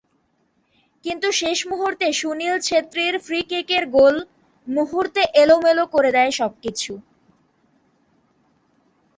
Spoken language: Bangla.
কিন্তু শেষ মুহূর্তে সুনীল ছেত্রীর ফ্রি-কিকের গোল মুহূর্তে এলোমেলো করে দেয় সবকিছু।